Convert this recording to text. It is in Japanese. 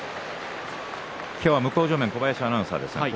今日、向正面は小林アナウンサーです。